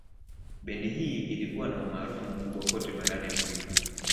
Bendi hii ilikuwa na umaarufu mkubwa kote barani Afrika